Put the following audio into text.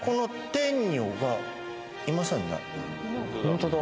ホントだ。